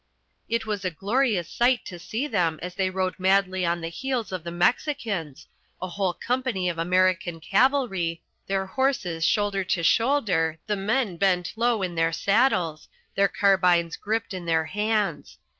It was a glorious sight to see them as they rode madly on the heels of the Mexicans a whole company of American cavalry, their horses shoulder to shoulder, the men bent low in their saddles, their carbines gripped in their hands.